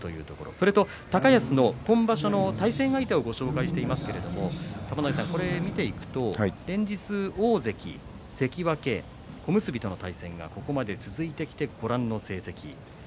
それから高安の今場所の対戦相手をご紹介していますけれども玉ノ井さん、これを見ていると連日の大関、関脇、小結との対戦がここまで続いてきてご覧の成績。